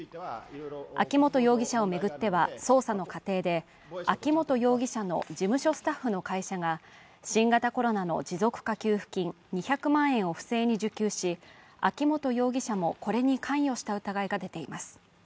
秋本容疑者を巡っては捜査の過程で、秋本容疑者の事務所スタッフの会社が、新型コロナの持続化給付金２００万円を不正に受給し、秋本容疑者もこれに関与した疑いが出ています